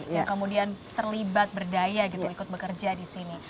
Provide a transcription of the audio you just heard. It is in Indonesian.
yang kemudian terlibat berdaya gitu ikut bekerja di sini